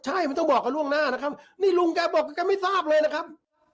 ใช่มันต้องบอกกันล่วงหน้านะครับนี่ลุงแกบอกแกไม่ทราบเลยนะครับ